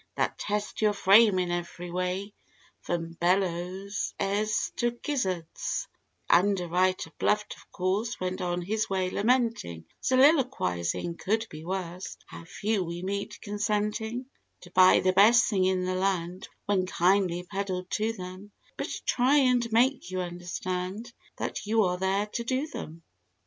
That test your frame in ev'ry way from bellowses to gizzards. The underwriter bluffed of course went on his way lamenting— Soliloquising—"Could be worse. How few we meet consenting To buy the best thing in the land when kindly peddled to them, But try and make you understand, that you are there to 'do' them."